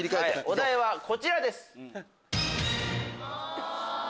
お題はこちらです。